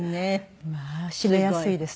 まあ締めやすいです